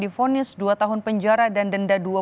difonis dua tahun penjara dan denda